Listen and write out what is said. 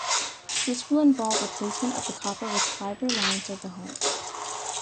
This will involve replacement of the copper with fibre line to the home.